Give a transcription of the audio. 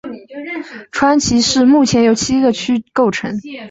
川崎市目前由七个区构成。